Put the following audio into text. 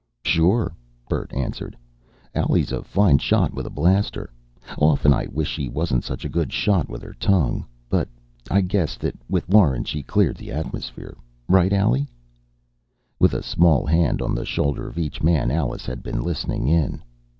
"Sure," Bert answered. "Allie's a fine shot with a blaster. Often I wish she wasn't such a good shot with her tongue. But I guess that with Lauren she cleared the atmosphere. Right, Allie?" With a small hand on the shoulder of each man, Alice had been listening in.